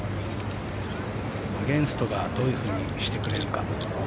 アゲンストがどういうふうにしてくれるか。